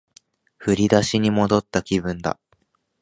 振り出しに戻った気分だ